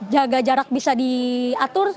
jaga jarak bisa diatur